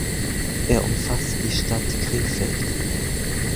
Er umfasste die Stadt Krefeld.